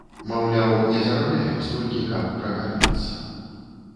Маўляў, не зарабляем столькі, каб пракарміцца.